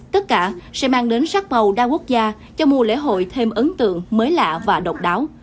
tất cả sẽ mang đến sắc màu đa quốc gia cho mùa lễ hội thêm ấn tượng mới lạ và độc đáo